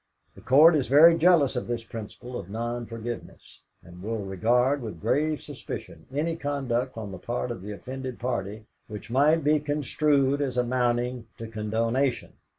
The Court is very jealous of this principle of non forgiveness, and will regard with grave suspicion any conduct on the part of the offended party which might be construed as amounting to condonation.